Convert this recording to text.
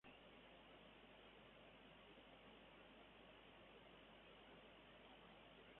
Sus hojas son usualmente espinosas y dan en sus racimos: drupas.